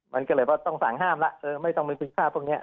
มันก็เลยว่าต้องสั่งห้ามล่ะเออไม่ต้องเป็นภาพพวกเนี้ย